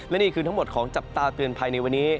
และนี่คือทั้งหมดของจับตาเตือนภัยในวันนี้